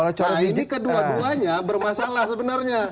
nah ini kedua duanya bermasalah sebenarnya